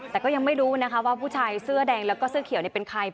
แต่ก็ยังไม่รู้ว่าผู้ชายเสื้อแดงและเขียวเป็นใคร